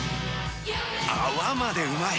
泡までうまい！